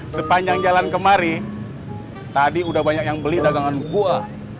sepanjang jalan kemari tadi udah banyak yang beli dagangan buah